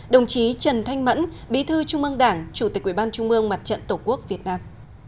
đồng chí trần thanh mẫn bí thư trung ương đảng chủ tịch quỹ ban trung ương mặt trận tổ quốc việt nam